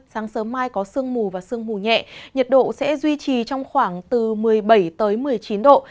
sáng sớm mai có sương mù và sương mù nhẹ nhiệt độ sẽ duy trì trong khoảng từ một mươi bảy một mươi chín độ